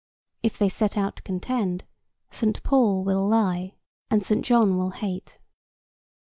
If they set out to contend, Saint Paul will lie and Saint John will hate.